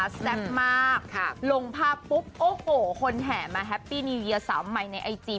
แซ่บมากลงภาพปุ๊บโอ้โหคนแห่มาแฮปปี้นิวเยียสาวใหม่ในไอจี